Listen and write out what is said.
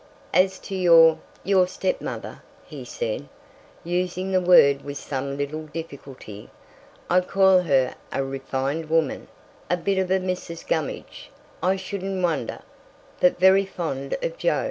"As to your—your stepmother," he said, using the word with some little difficulty, "I call her a refined woman—a bit of a Mrs. Gummidge, I shouldn't wonder—but very fond of Jo.